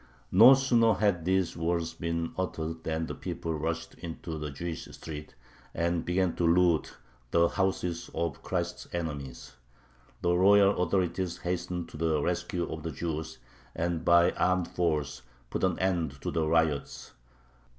No sooner had these words been uttered than the people rushed into the Jewish street, and began to loot the houses of "Christ's enemies." The royal authorities hastened to the rescue of the Jews, and by armed force put an end to the riots.